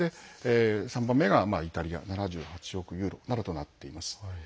３番目がイタリア７８億ユーロなどとなっています。